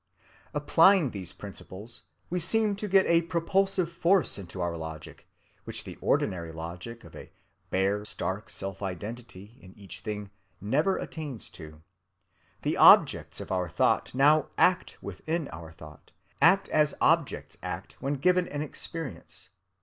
Applying these principles, we seem to get a propulsive force into our logic which the ordinary logic of a bare, stark self‐identity in each thing never attains to. The objects of our thought now act within our thought, act as objects act when given in experience.